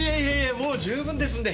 もう十分ですんで。